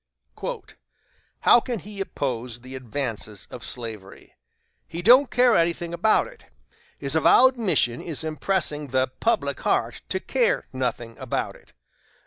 "How can he oppose the advances of slavery? He don't care anything about it. His avowed mission is impressing the 'public heart' to care nothing about it....